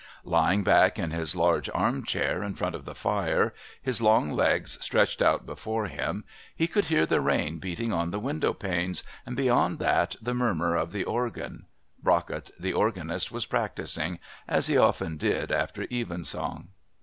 Lying back in his large arm chair in front of the fire, his long legs stretched out before him, he could hear the rain beating on the window panes and beyond that the murmur of the organ (Brockett, the organist, was practising, as he often did after Evensong).